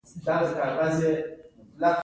د درباریانو په واسطه به ځینې باغیان بخښل کېدل.